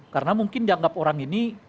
karena mungkin dianggap orang ini